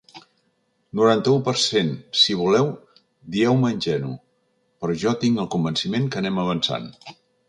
Noranta-u per cent Si voleu, dieu-me ingenu, però jo tinc el convenciment que anem avançant.